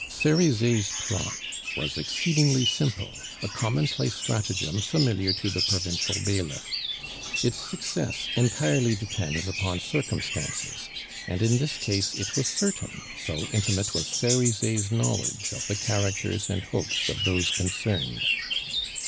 Cerizet's plot was exceedingly simple, a commonplace stratagem familiar to the provincial bailiff. Its success entirely depends upon circumstances, and in this case it was certain, so intimate was Cerizet's knowledge of the characters and hopes of those concerned.